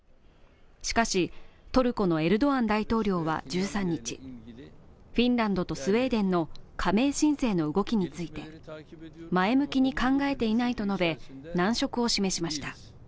しかし、トルコのエルドアン大統領は１３日、フィンランドとスウェーデンの加盟申請の動きについて、前向きに考えていないと述べ、難色を示しました。